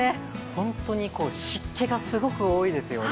本当に湿気がすごく多いですよね。